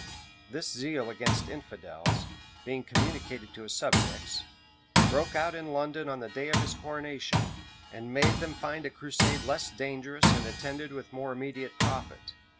This zeal against infidels, being communicated to his subjects, broke out in London on the day of his coronation, and made them find a crusade less dangerous and attended with more immediate profit.